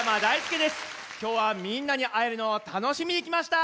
きょうはみんなにあえるのをたのしみにきました。